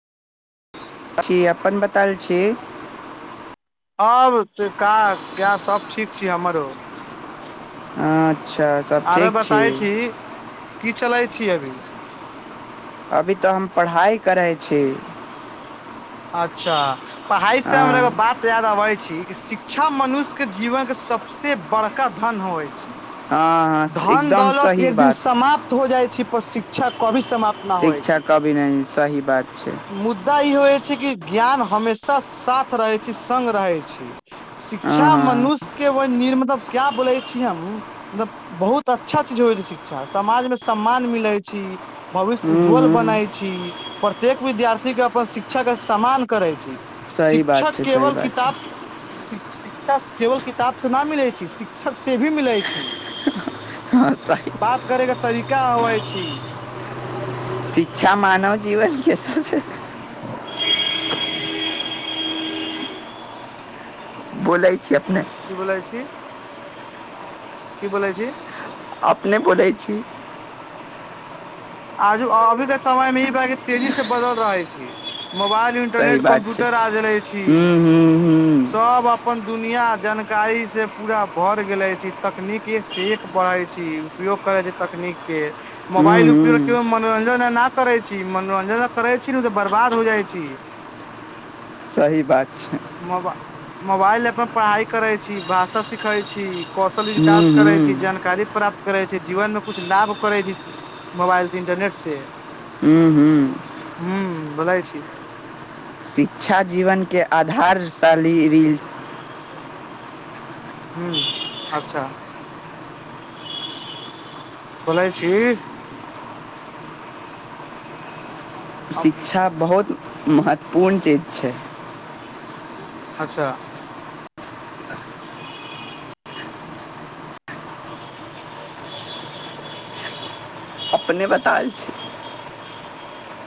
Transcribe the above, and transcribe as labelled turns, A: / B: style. A: सखी अपन बताल छी।
B: आब त का क्या सब ठीक छी हमरो।
A: आच्छा
B: आबे बताइ छी की चलै छी अभी।
A: अभी त हम पढ़ाइ करै छी।
B: अच्छा पढ़ाइ से हमरा एगो
A: हँ
B: बात याद अबै छी कि शिक्षा मनुष्यके जीवनके सबसे बड़का धन होबै छी।
A: हं
B: धन दौलत एक दिन समाप्त हो जाइ छै पर शिक्षा कभी समाप्त न होइ
A: शिक्षा
B: छी
A: कभी नहीं सही बात छै।
B: मुदा ई होअय छै कि ज्ञान हमेशा साथ रहै छी संग रहै छी।
A: हँ
B: शिक्षा
A: हँ
B: मनुष्यके ओइ निर्म मतलब क्या बोलै छी हम मतब बहुत अच्छा चीज होइ छै शिक्षा समाजमे सम्मान मिलै छी। भविष्य
A: हूँ
B: उज्ज्वल
A: हूँ
B: बनाइ छी। प्रत्येक विद्यार्थी के अपन शिक्षा के सम्मान करै छी।
A: सही
B: शिक्षक
A: बात छै सही
B: केवल
A: बात
B: किताब
A: छै
B: से शि-शि शिक्षा केवल किताब से ना मिलै छी शिक्षक से भी मिलै छी।
A: हँ सही।
B: बात करै के तरीका अबै छी।
A: शिक्षा मानव जीवनके सबसे बोलै छी अपने
B: की बोलै छी की बोलै छी?
A: अपने बोलै छी।
B: आजु अभीके समयमे [unintelligible] [inaudible] तेजी से बदल रहै छी मोबाइल
A: सही
B: इंटरनेट
A: बात छै
B: कम्प्यूटर आ जे रहै छी
A: हूँ हूँ
B: सब अप पन दुनिया जानकारी से पूरा भर गेलै छी तकनीक एक से एक बढ़ै छी। उपयोग करै छै तकनीके
A: हूँ हूँ
B: मोबाइल उपयोग
A: हूँ
B: केवल मनोरंजन ना करै छी मनोरंजन करै छी न त बर्बाद हो जाइ छी।
A: सही बात छै।
B: मोबा मोबाइल [unintelligible] [inaudible] पढ़ाई करै छी भाषा सिखै छी। कौशल विकास
A: हूँ
B: करै छी,
A: हूँ
B: जानकारी प्राप्त करै छी, जीवन मे कुछ लाभ करै छी। मोबाइल से, इन्टरनेट से।
A: हुं- हुं -हुं
B: हुं-हुं बोलइ छी।
A: शिक्षा जीवनके आधारशाली रील।
B: हुं अच्छा [unintelligible] बोलै छी।
A: शिक्षा बहुत महत्वपूर्ण चीज छै।
B: अच्छा।
A: अपने बताल छी।